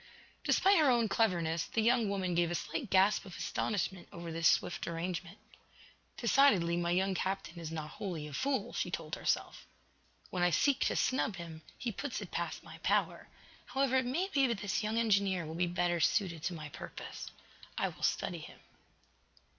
Despite her own cleverness, the young woman gave a slight gasp of astonishment over this swift arrangement. "Decidedly, my young captain is not wholly, a fool," she told herself. "When I seek to snub him, he puts it past my power. However, it may be that this young engineer will be better suited to my purpose. I will study him."